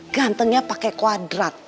gantengnya pakai kuadrat